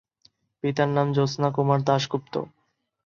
পিতার নাম জ্যোৎস্না কুমার দাশগুপ্ত।